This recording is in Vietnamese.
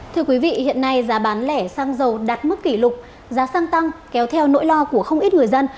thưa quý vị hiện nay giá bán lẻ xăng dầu đạt mức kỷ lục giá xăng tăng kéo theo nỗi lo của không ít người dân